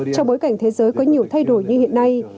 trong bối cảnh thế giới có nhiều thay đổi như hiện nay